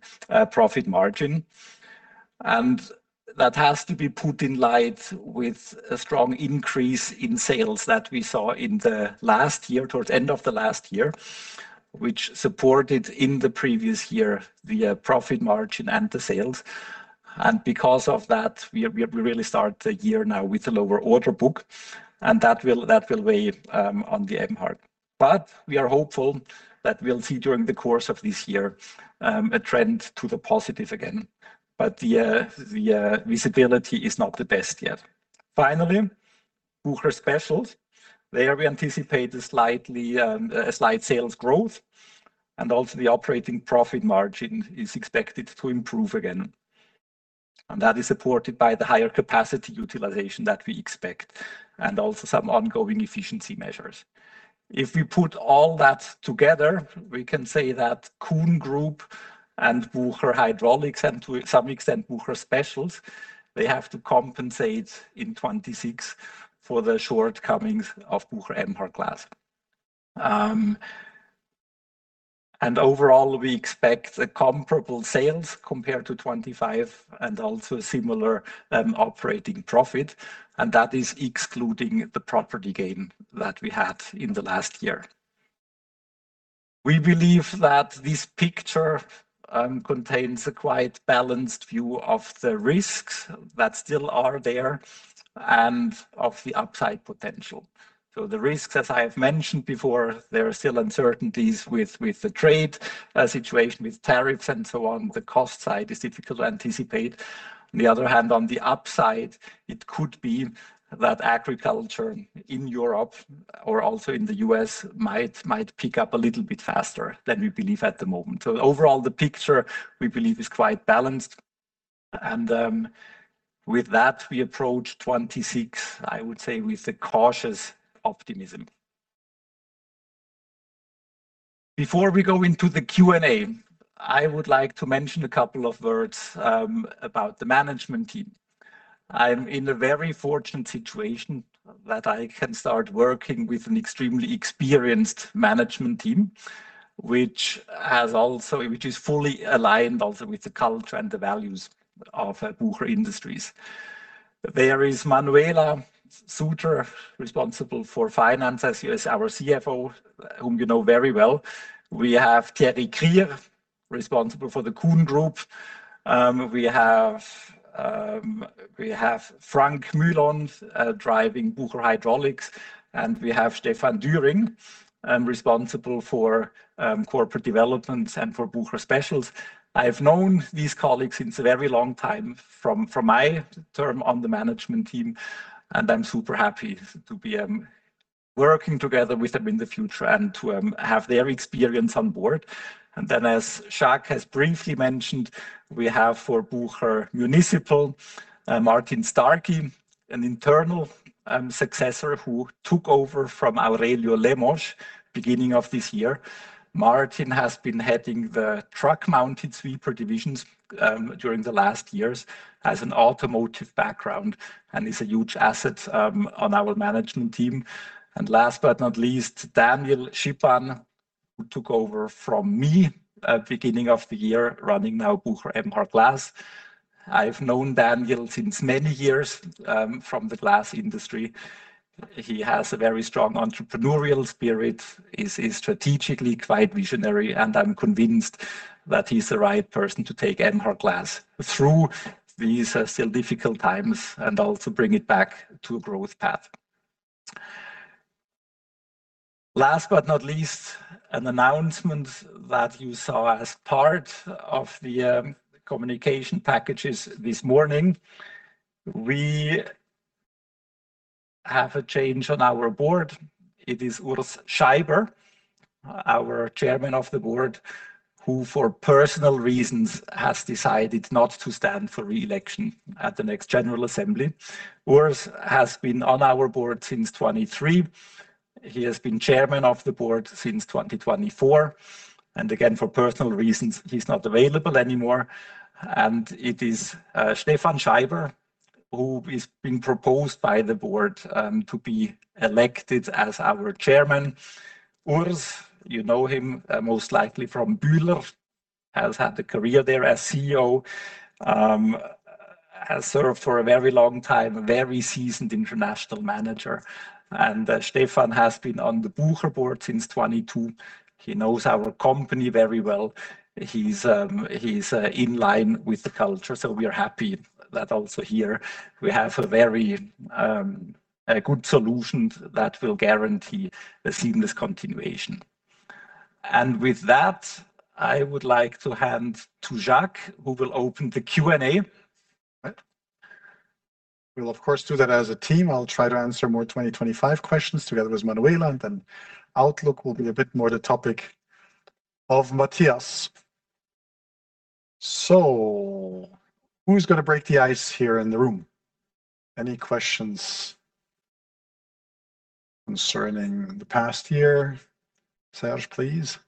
profit margin. That has to be put in light with a strong increase in sales that we saw in the last year, towards end of the last year, which supported in the previous year the profit margin and the sales. Because of that, we really start the year now with a lower order book, and that will weigh on the Emhart. We are hopeful that we'll see during the course of this year, a trend to the positive again. The visibility is not the best yet. Finally, Bucher Specials. There we anticipate a slightly, a slight sales growth, and also the operating profit margin is expected to improve again. That is supported by the higher capacity utilization that we expect and also some ongoing efficiency measures. If we put all that together, we can say that Kuhn Group and Bucher Hydraulics, and to some extent Bucher Specials, they have to compensate in 2026 for the shortcomings of Bucher Emhart Glass. Overall, we expect a comparable sales compared to 2025 and also a similar operating profit, and that is excluding the property gain that we had in the last year. We believe that this picture contains a quite balanced view of the risks that still are there and of the upside potential. The risks, as I have mentioned before, there are still uncertainties with the trade situation with tariffs and so on. The cost side is difficult to anticipate. On the other hand, on the upside, it could be that agriculture in Europe or also in the U.S. might pick up a little bit faster than we believe at the moment. Overall, the picture we believe is quite balanced. With that we approach 2026, I would say, with a cautious optimism. Before we go into the Q&A, I would like to mention a couple of words about the management team. I'm in a very fortunate situation that I can start working with an extremely experienced management team, which is fully aligned also with the culture and the values of Bucher Industries. There is Manuela Suter, responsible for finance as our CFO, whom you know very well. We have Thierry Krier, responsible for the Kuhn Group. We have Frank Mühlon, driving Bucher Hydraulics, and we have Stefan Düring, responsible for corporate development and for Bucher Specials. I've known these colleagues since a very long time from my term on the management team, and I'm super happy to be working together with them in the future and to have their experience on board. Then, as Jacques has briefly mentioned, we have for Bucher Municipal, Martin Starkey, an internal successor who took over from Aurelio Lemos beginning of this year. Martin has been heading the truck-mounted sweeper divisions during the last years, has an automotive background, and is a huge asset on our management team. Last but not least, Daniel Schippan, who took over from me at beginning of the year, running now Bucher Emhart Glass. I've known Daniel since many years from the glass industry. He has a very strong entrepreneurial spirit, is strategically quite visionary, and I'm convinced that he's the right person to take Emhart Glass through these still difficult times and also bring it back to a growth path. Last but not least, an announcement that you saw as part of the communication packages this morning. We have a change on our board. It is Urs Scheiber, our Chairman of the Board, who for personal reasons has decided not to stand for re-election at the next general assembly. Urs has been on our board since 2023. He has been Chairman of the Board since 2024. Again, for personal reasons, he's not available anymore. It is Stefan Scheiber who is being proposed by the board to be elected as our chairman. Urs, you know him most likely from Bühler, has had a career there as CEO. Has served for a very long time, a very seasoned international manager. Stefan has been on the Bucher board since 2022. He knows our company very well. He's in line with the culture, so we are happy that also here we have a very good solution that will guarantee a seamless continuation. With that, I would like to hand to Jacques, who will open the Q&A. Right. We'll of course do that as a team. I'll try to answer more 2025 questions together with Manuela, Outlook will be a bit more the topic of Matthias. Who's gonna break the ice here in the room? Any questions concerning the past year? Serge, please.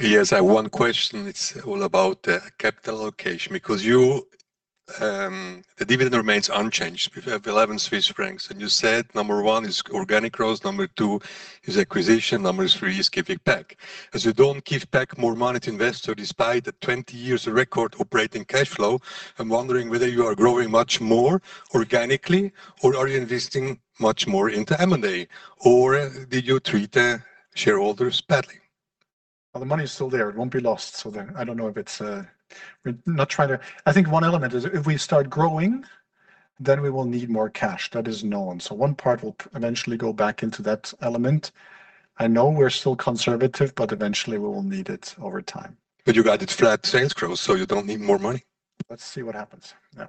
Yes, I have one question. It's all about the capital allocation, because the dividend remains unchanged. We have 11 Swiss francs. You said number one is organic growth, number two is acquisition, number three is giving back. As you don't give back more money to investor despite the 20 years of record operating cash flow, I'm wondering whether you are growing much more organically or are you investing much more into M&A or did you treat the shareholders badly? The money is still there. It won't be lost. I don't know if it's. I think one element is if we start growing, then we will need more cash. That is known. One part will eventually go back into that element. I know we're still conservative, but eventually we will need it over time. You guided flat sales growth. You don't need more money. Let's see what happens. Yeah.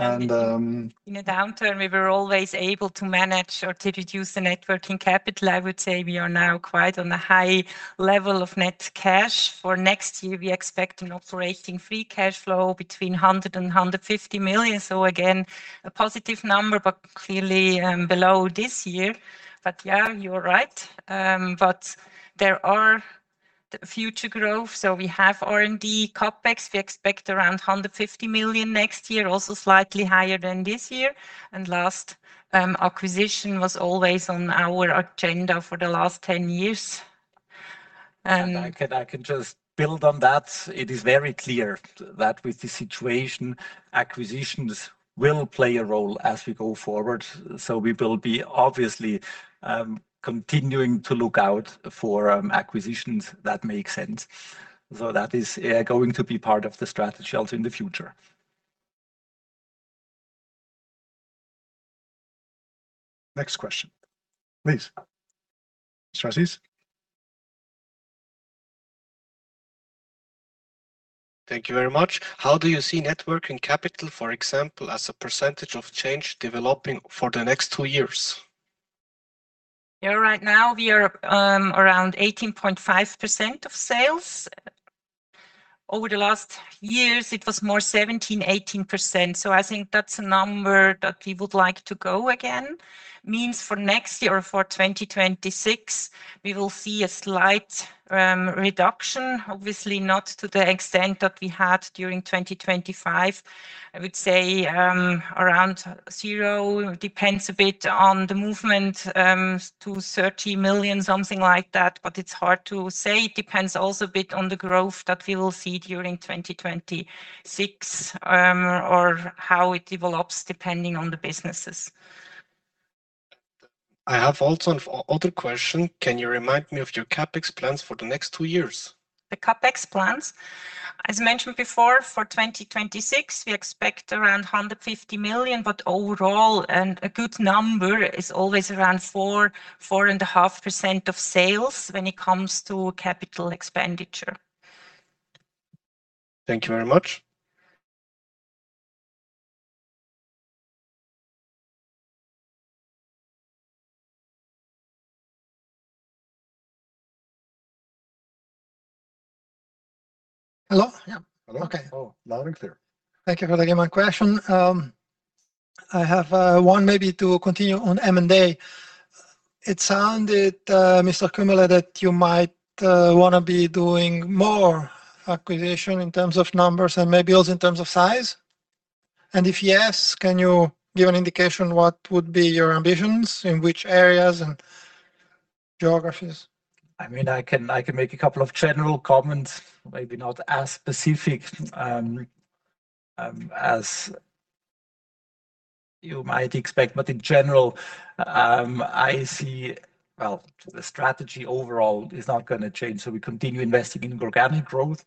In a downturn, we were always able to manage or to reduce the net working capital. I would say we are now quite on a high level of net cash. For next year, we expect an operating free cash flow between 100 million and 150 million. Again, a positive number, but clearly below this year. Yeah, you are right. There are future growth. We have R&D CapEx. We expect around 150 million next year, also slightly higher than this year. Last acquisition was always on our agenda for the last 10 years. I can just build on that. It is very clear that with this situation, acquisitions will play a role as we go forward. We will be obviously continuing to look out for acquisitions that make sense. That is, yeah, going to be part of the strategy also in the future. Next question, please. Strassis. Thank you very much. How do you see net working capital, for example, as a percentage of change developing for the next two years? Yeah, right now we are around 18.5% of sales. Over the last years it was more 17%-18%, I think that's a number that we would like to go again. Means for next year or for 2026, we will see a slight reduction, obviously not to the extent that we had during 2025. I would say around 0. Depends a bit on the movement to 30 million, something like that. It's hard to say. It depends also a bit on the growth that we will see during 2026, or how it develops depending on the businesses. I have also another question. Can you remind me of your CapEx plans for the next 2 years? The CapEx plans, as mentioned before, for 2026 we expect around 150 million, but overall and a good number is always around 4%, 4.5% of sales when it comes to capital expenditure. Thank you very much. Hello? Yeah. Okay. Hello. Oh, loud and clear. Thank you for taking my question. I have one maybe to continue on M&A. It sounded, Mr. Kuemmerle, that you might wanna be doing more acquisition in terms of numbers and maybe also in terms of size. If yes, can you give an indication what would be your ambitions, in which areas and geographies? I mean, I can make a couple of general comments, maybe not as specific as you might expect. In general, I see, well, the strategy overall is not gonna change, so we continue investing in organic growth,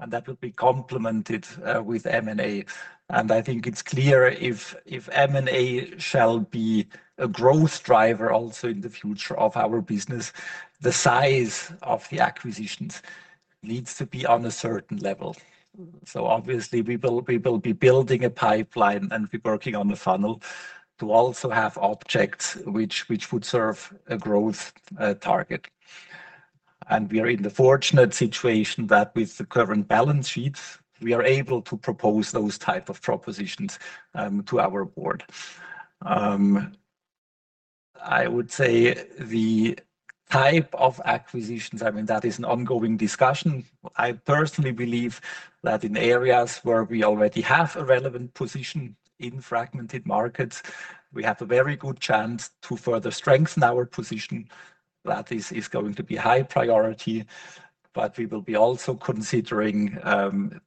and that will be complemented with M&A. I think it's clear if M&A shall be a growth driver also in the future of our business, the size of the acquisitions needs to be on a certain level. Obviously we will be building a pipeline and be working on the funnel to also have objects which would serve a growth target. We are in the fortunate situation that with the current balance sheets, we are able to propose those type of propositions to our board. I would say the type of acquisitions, I mean, that is an ongoing discussion. I personally believe that in areas where we already have a relevant position in fragmented markets, we have a very good chance to further strengthen our position. That is going to be high priority, but we will be also considering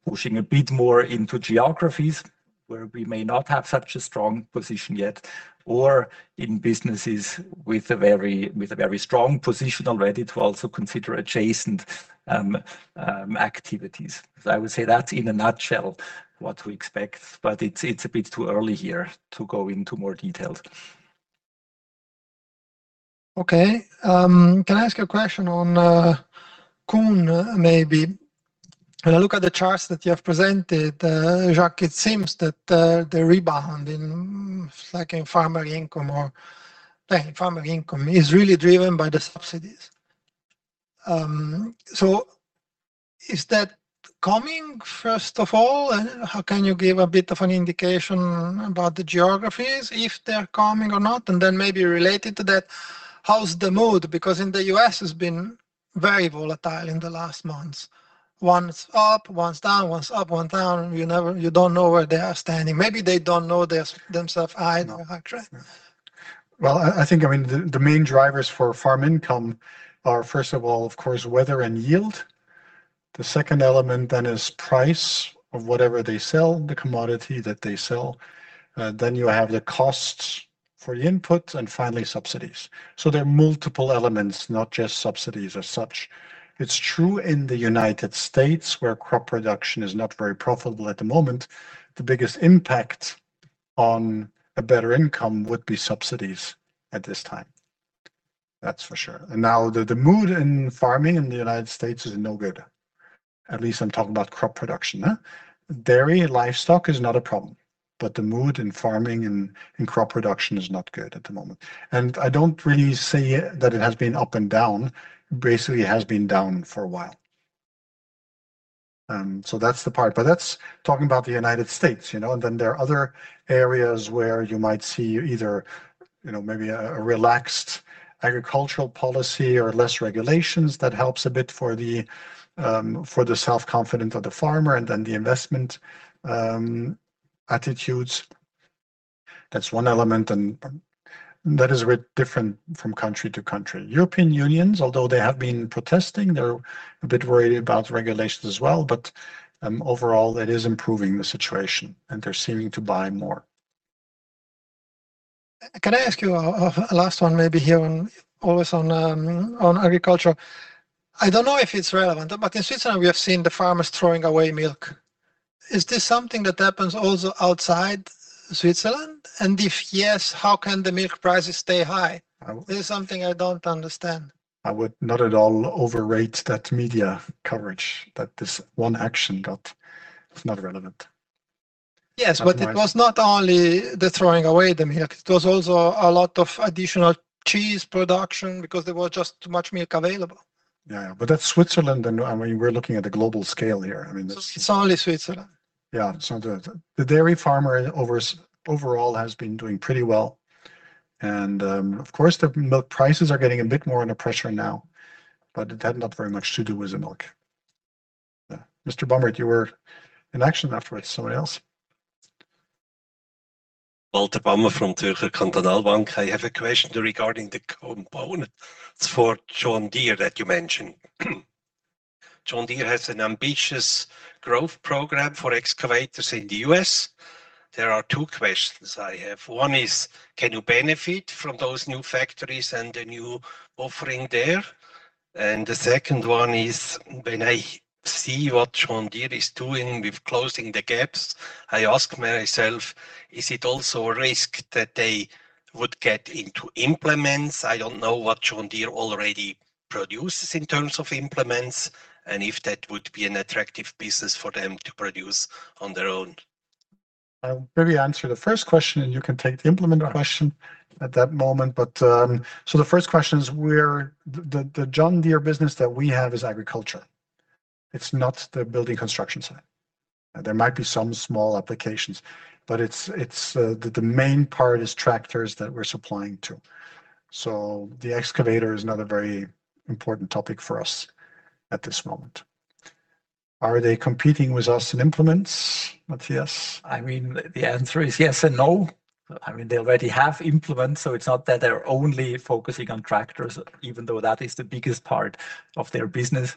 pushing a bit more into geographies where we may not have such a strong position yet, or in businesses with a very strong position already to also consider adjacent activities. I would say that's in a nutshell what we expect, but it's a bit too early here to go into more details. Okay. Can I ask a question on Kuhn, maybe? When I look at the charts that you have presented, Jacques, it seems that the rebound in farmer income or farmer income is really driven by the subsidies. Is that coming, first of all? How can you give a bit of an indication about the geographies, if they're coming or not? Then maybe related to that, how's the mood? Because in the U.S. it's been very volatile in the last months. One's up, one's down, one's up, one down. You don't know where they are standing. Maybe they don't know themselves either, actually. No. No. Well, I think, I mean, the main drivers for farm income are, first of all, of course, weather and yield. The second element then is price of whatever they sell, the commodity that they sell. Then you have the costs for the inputs, and finally, subsidies. There are multiple elements, not just subsidies as such. It's true in the U.S., where crop production is not very profitable at the moment, the biggest impact on a better income would be subsidies at this time. That's for sure. Now the mood in farming in the U.S. is no good. At least I'm talking about crop production, eh. Dairy and livestock is not a problem, but the mood in farming and in crop production is not good at the moment. I don't really see that it has been up and down. Basically, it has been down for a while. That's the part. That's talking about the U.S., you know. There are other areas where you might see either, you know, maybe a relaxed agricultural policy or less regulations that helps a bit for the, for the self-confidence of the farmer and then the investment, attitudes. That's one element, and that is very different from country to country. European Union, although they have been protesting, they're a bit worried about regulations as well, but, overall it is improving the situation and they're seeming to buy more. Can I ask you a last one maybe here on, always on, agriculture? I don't know if it's relevant, but in Switzerland we have seen the farmers throwing away milk. Is this something that happens also outside Switzerland? If yes, how can the milk prices stay high? I would This is something I don't understand. I would not at all overrate that media coverage that this one action got. It's not relevant. Yes, it was not only the throwing away the milk, it was also a lot of additional cheese production because there was just too much milk available. Yeah, that's Switzerland, I mean, we're looking at the global scale here. I mean. It's only Switzerland. Yeah. The, the dairy farmer overall has been doing pretty well. Of course, the milk prices are getting a bit more under pressure now, but it had not very much to do with the milk. Mr. Bamert, you were in action afterwards. Somebody else. Walter Bamert from Zürcher Kantonalbank. I have a question regarding the component for John Deere that you mentioned. John Deere has an ambitious growth program for excavators in the U.S. There are two questions I have. One is, can you benefit from those new factories and the new offering there? The second one is, when I see what John Deere is doing with closing the gaps, I ask myself, is it also a risk that they would get into implements? I don't know what John Deere already produces in terms of implements and if that would be an attractive business for them to produce on their own. I'll maybe answer the first question, and you can take the implement question. Right At that moment. The first question is where the John Deere business that we have is agriculture. It's not the building construction side. There might be some small applications, but it's the main part is tractors that we're supplying to. The excavator is not a very important topic for us at this moment. Are they competing with us in implements, Matthias? I mean, the answer is yes and no. I mean, they already have implements, so it's not that they're only focusing on tractors, even though that is the biggest part of their business.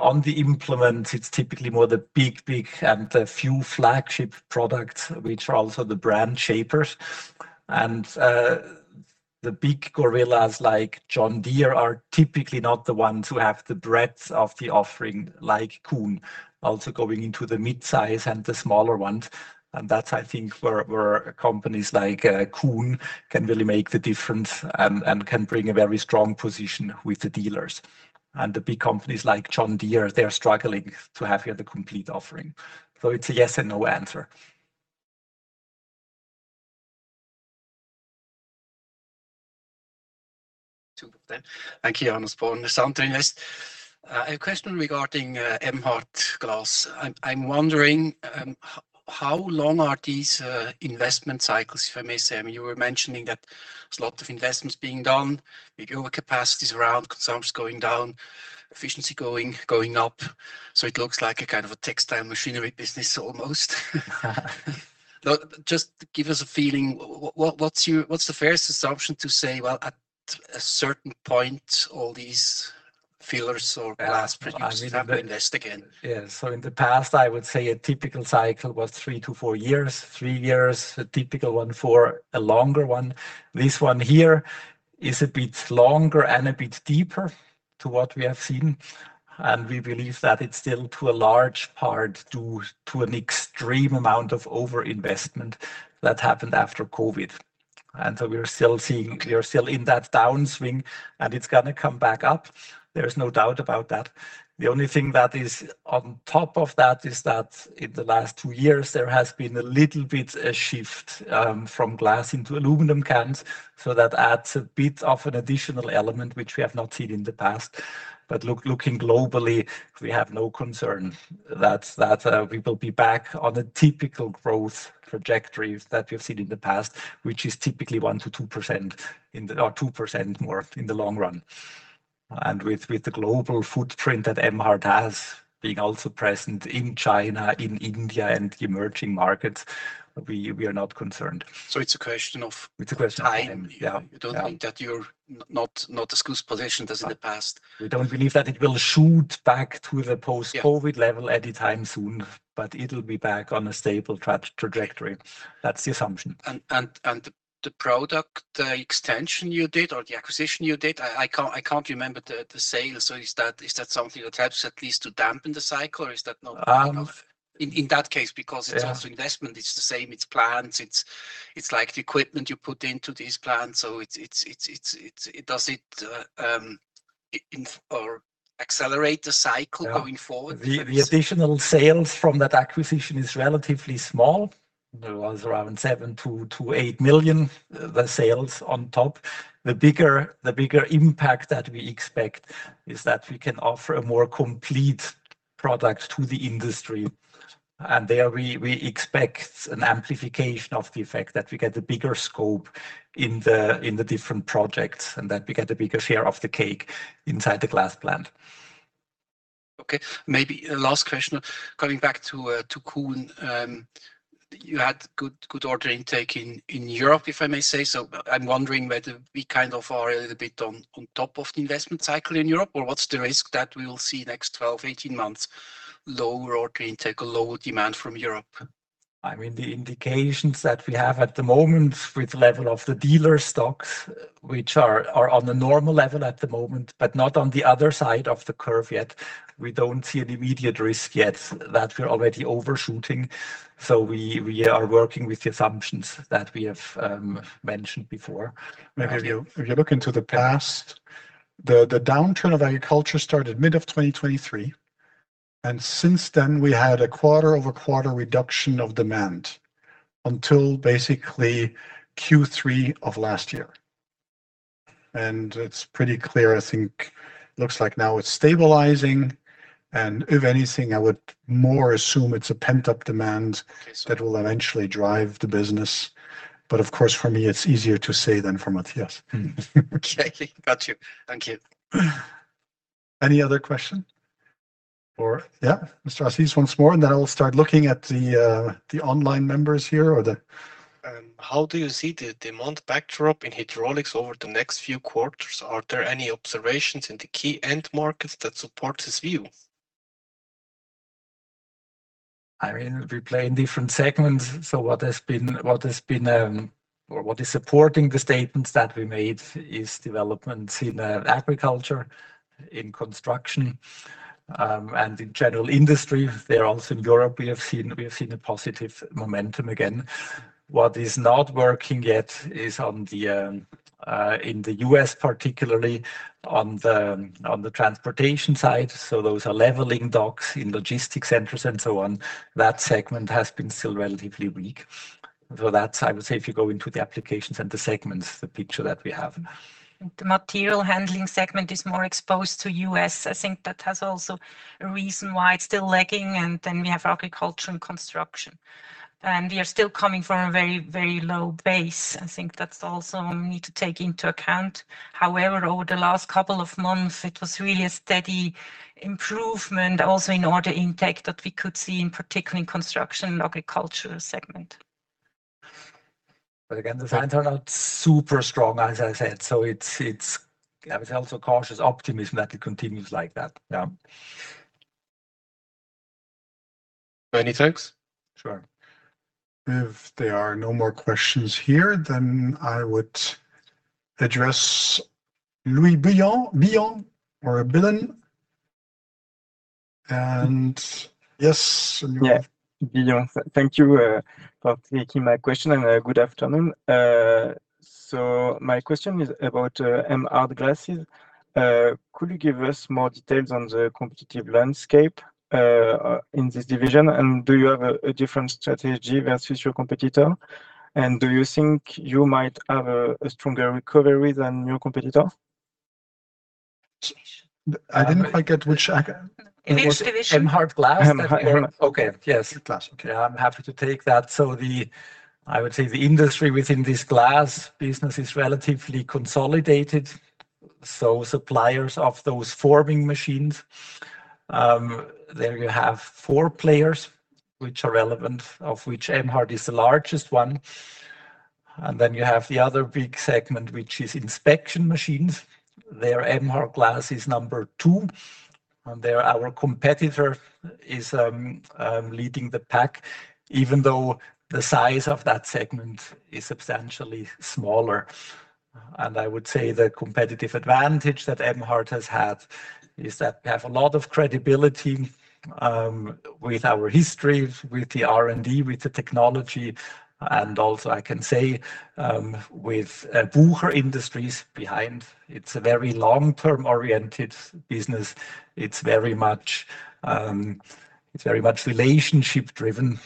On the implement, it's typically more the big, big and a few flagship products, which are also the brand shapers. The big gorillas like John Deere are typically not the ones who have the breadth of the offering like Kuhn also going into the mid-size and the smaller ones. That's, I think, where companies like Kuhn can really make the difference and can bring a very strong position with the dealers. The big companies like John Deere, they are struggling to have here the complete offering. It's a yes and no answer. Two of them. Thank you, on this phone, Santander Invest. A question regarding Emhart Glass. I'm wondering, how long are these investment cycles, if I may say? I mean, you were mentioning that there's a lot of investments being done. We go with capacities around, consumption's going down, efficiency going up. It looks like a kind of a textile machinery business almost. Just give us a feeling, what's your what's the fairest assumption to say, well, at a certain point, all these fillers or glass producers Yeah. I mean. Have to invest again. In the past, I would say a typical cycle was three to four years, three years, a typical one for a longer one. This one here is a bit longer and a bit deeper to what we have seen, and we believe that it's still, to a large part, due to an extreme amount of over-investment that happened after COVID. We are still in that downswing, and it's gonna come back up. There's no doubt about that. The only thing that is on top of that is that in the last two years, there has been a little bit a shift from glass into aluminum cans, so that adds a bit of an additional element which we have not seen in the past. Looking globally, we have no concern that we will be back on a typical growth trajectory that we've seen in the past, which is typically 1%-2% or 2% more in the long run. With the global footprint that Emhart has, being also present in China, in India, and the emerging markets, we are not concerned. It's a question of It's a question of time. Time. Yeah. Yeah. You don't think that you're not as positioned as in the past? We don't believe that it will shoot back to the post- Yeah COVID level anytime soon, but it'll be back on a stable trajectory. That's the assumption. The product extension you did or the acquisition you did, I can't remember the sale. Is that something that helps at least to dampen the cycle or is that not Um Enough? In that case. Yeah Because it's also investment, it's the same, it's plants, it's like the equipment you put into these plants, so it's, does it or accelerate the cycle Yeah Going forward? The additional sales from that acquisition is relatively small. It was around 7 million-8 million, the sales on top. The bigger impact that we expect is that we can offer a more complete product to the industry. There we expect an amplification of the effect, that we get a bigger scope in the different projects, and that we get a bigger share of the cake inside the glass plant. Okay. Maybe a last question. Coming back to Kuhn, you had good order intake in Europe, if I may say so. I'm wondering whether we kind of are a little bit on top of the investment cycle in Europe or what's the risk that we will see next 12, 18 months lower order intake or lower demand from Europe? I mean, the indications that we have at the moment with the level of the dealer stocks, which are on a normal level at the moment, but not on the other side of the curve yet. We don't see an immediate risk yet that we're already overshooting. We are working with the assumptions that we have mentioned before. Maybe if you look into the past. The downturn of agriculture started mid of 2023, and since then we had a quarter-over-quarter reduction of demand until basically Q3 of last year. It's pretty clear, I think, looks like now it's stabilizing, and if anything, I would more assume it's a pent-up demand. Yes. That will eventually drive the business. Of course, for me, it's easier to say than for Matthias. Okay. Got you. Thank you. Any other question? Or, yeah. Mr. Aziz once more, then I'll start looking at the online members here. How do you see the demand backdrop in hydraulics over the next few quarters? Are there any observations in the key end markets that support this view? I mean, we play in different segments, so what has been or what is supporting the statements that we made is developments in agriculture, in construction and in general industry. There also in Europe we have seen a positive momentum again. What is not working yet is on the in the U.S. particularly on the transportation side, so those are leveling docks in logistics centers and so on. That segment has been still relatively weak. That's I would say if you go into the applications and the segments, the picture that we have. The material handling segment is more exposed to U.S. I think that has also a reason why it's still lagging, and then we have agriculture and construction. We are still coming from a very, very low base. I think that's also we need to take into account. However, over the last couple of months it was really a steady improvement also in order intake that we could see in particular in construction and agricultural segment. Again, the signs are not super strong, as I said. It's, I would say also cautious optimism that it continues like that. Yeah. Many thanks. Sure. If there are no more questions here, I would address Louis Billon or Billon. Yes, Louis. Yeah. Billon. Thank you for taking my question, and good afternoon. My question is about Emhart Glass. Could you give us more details on the competitive landscape in this division? Do you have a different strategy versus your competitor? Do you think you might have a stronger recovery than your competitor? Image. I didn't quite get which. I Image division. Emhart Glass. Emhart. Okay. Yes. Glass. Yeah. I'm happy to take that. I would say the industry within this glass business is relatively consolidated. Suppliers of those forming machines, there you have four players which are relevant, of which Emhart is the largest one. Then you have the other big segment, which is inspection machines. There Emhart Glass is number two, and there our competitor is leading the pack, even though the size of that segment is substantially smaller. I would say the competitive advantage that Emhart has had is that we have a lot of credibility with our history, with the R&D, with the technology, and also I can say, with Bucher Industries behind, it's a very long-term-oriented business. It's very much relationship driven.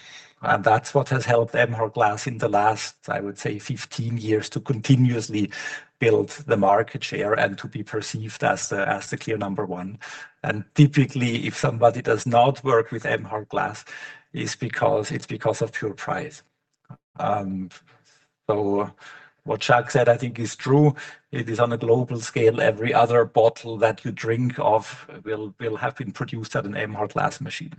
That's what has helped Emhart Glass in the last, I would say, 15 years to continuously build the market share and to be perceived as the clear number one. Typically, if somebody does not work with Emhart Glass, it's because of pure price. What Jacques said I think is true. It is on a global scale, every other bottle that you drink of will have been produced at an Emhart Glass machine.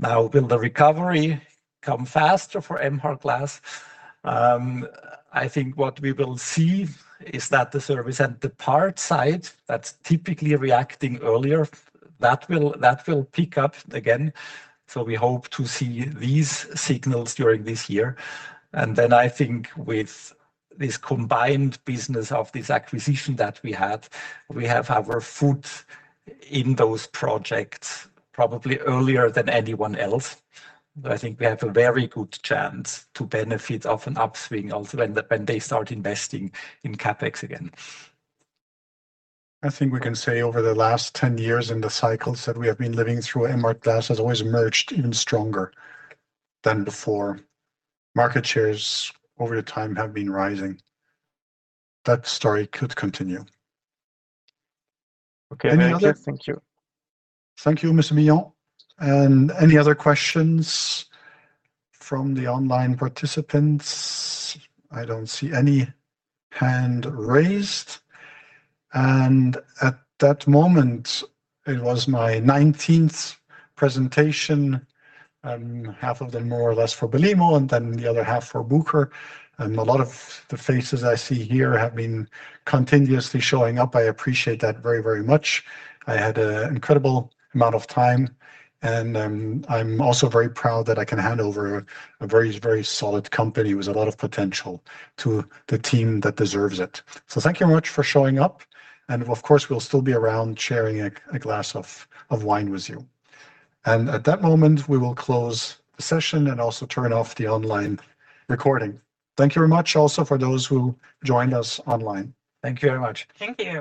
Will the recovery come faster for Emhart Glass? I think what we will see is that the service and the part side that's typically reacting earlier, that will pick up again. We hope to see these signals during this year. I think with this combined business of this acquisition that we had, we have our foot in those projects probably earlier than anyone else. I think we have a very good chance to benefit of an upswing also when the, when they start investing in CapEx again. I think we can say over the last ten years in the cycles that we have been living through, Emhart Glass has always emerged even stronger than before. Market shares over the time have been rising. That story could continue. Okay. Any other Thank you. Thank you, Mr. Billon. Any other questions from the online participants? I don't see any hand raised. At that moment it was my 19th presentation, half of them more or less for Belimo, and then the other half for Bucher. A lot of the faces I see here have been continuously showing up. I appreciate that very, very much. I had an incredible amount of time, and I'm also very proud that I can hand over a very, very solid company with a lot of potential to the team that deserves it. Thank you very much for showing up, and of course, we'll still be around sharing a glass of wine with you. At that moment, we will close the session and also turn off the online recording. Thank you very much also for those who joined us online. Thank you very much. Thank you.